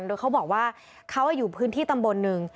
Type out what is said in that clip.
โดยเขาบอกว่าเขาอยู่พื้นที่ตำบลหนึ่ง